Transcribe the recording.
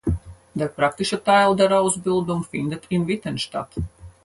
Der praktische Teil der Ausbildung findet in Witten statt.